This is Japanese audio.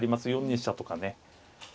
４二飛車とかね。